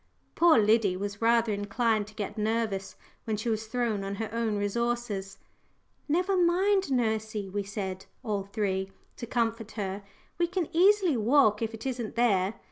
Poor Liddy was rather inclined to get nervous when she was thrown on her own resources. "Never mind, nursey," we said, all three, to comfort her; "we can easily walk if it isn't there.